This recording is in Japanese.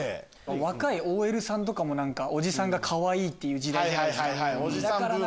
若いＯＬさんとかもおじさんがかわいいっていう時代じゃないですか。